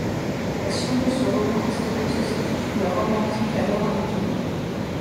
L'action de ce roman historique se situe sous la Rome antique, à Laurentum.